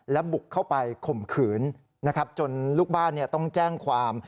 และบุกเข้าไปข่มขืนนะครับจนลูกบ้านต้องแจ้งความ